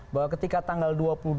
bahwa ketika tanggal dua puluh dua